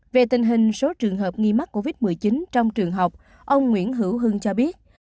về tình hình số trường hợp nghi mắc covid một mươi chín trong trường học ông nguyễn hữu hưng cho biết